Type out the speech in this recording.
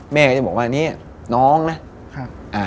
แม่ก็จะบอกว่านี่น้องนะ